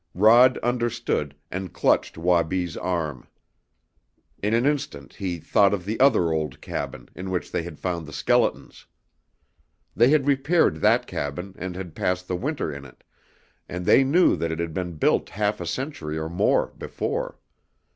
Rod understood, and clutched Wabi's arm. In an instant he thought of the other old cabin, in which they had found the skeletons. They had repaired that cabin and had passed the winter in it, and they knew that it had been built half a century or more before.